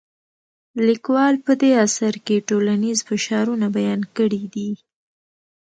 لیکوال په دې اثر کې ټولنیز فشارونه بیان کړي دي.